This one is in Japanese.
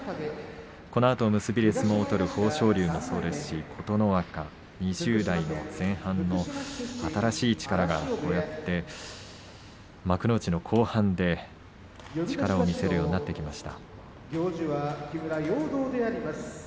このあと結びで相撲を取る豊昇龍もそうですし、琴ノ若２０代前半の新しい力がこうやって幕内の後半で力を見せるようになってきました。